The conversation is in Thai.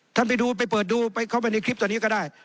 ท่านไปดูไปเปิดดูไปเข้าไปในคลิปตอนนี้ก็ได้